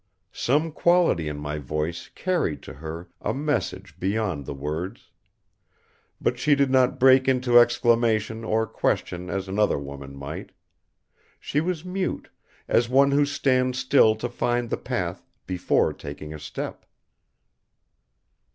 Some quality in my voice carried to her a message beyond the words. But she did not break into exclamation or question as another woman might. She was mute, as one who stands still to find the path before taking a step.